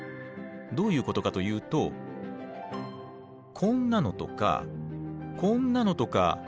どういうことかというとこんなのとかこんなのとか見たことありません？